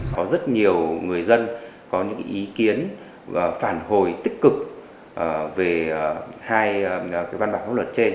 có rất nhiều người dân có những ý kiến và phản hồi tích cực về hai văn bản pháp luật trên